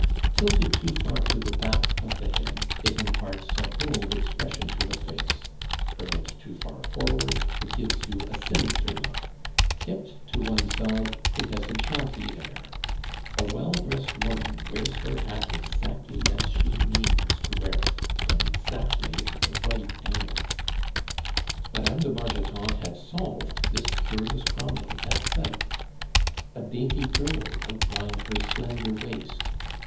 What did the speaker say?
Tilted too far to the back of the head, it imparts a bold expression to the face; bring it too far forward, it gives you a sinister look; tipped to one side, it has a jaunty air; a well dressed woman wears her hat exactly as she means to wear it, and exactly at the right angle. Mme. de Bargeton had solved this curious problem at sight. A dainty girdle outlined her slender waist.